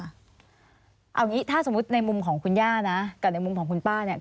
เอาอย่างนี้ถ้าสมมุติในมุมของคุณย่านะกับในมุมของคุณป้าเนี่ย